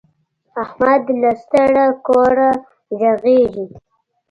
احمد له ستره کوره غږيږي.